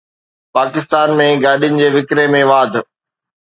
پاڪستان ۾ گاڏين جي وڪرو ۾ واڌ